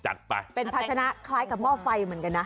จัดไปเป็นภาชนะคล้ายกับหม้อไฟเหมือนกันนะ